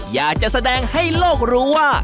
อยากจะแสดงให้โลกรู้ว่า